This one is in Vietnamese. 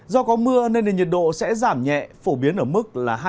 do có mưa nên nhiệt độ sẽ giảm nhẹ phổ biến ở mức là hai mươi một ba mươi độ